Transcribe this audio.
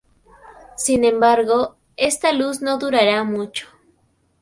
Sin embargo, esta luz no durará mucho.